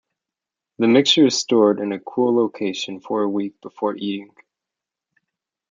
The mixture is stored in a cool location for a week before eating.